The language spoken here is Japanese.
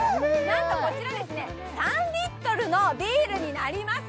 なんと、こちら３リットルのビールになります。